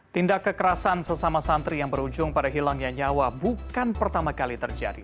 tindak kekerasan sesama santri yang berujung pada hilangnya nyawa bukan pertama kali terjadi